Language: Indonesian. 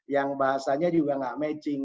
yang bahasanya juga gak matching